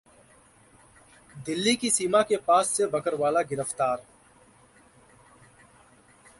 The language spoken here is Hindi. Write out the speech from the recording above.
दिल्ली की सीमा के पास से बकरवाला गिरफ्तार